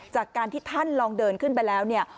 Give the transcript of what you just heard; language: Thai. จากการที่ท่านลองเดินขึ้นไปแล้วเนี่ย